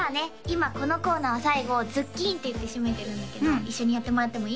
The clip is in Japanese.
今このコーナーは最後「ズッキーン」って言って締めてるんだけど一緒にやってもらってもいい？